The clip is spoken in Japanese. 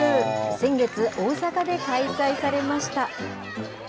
先月、大阪で開催されました。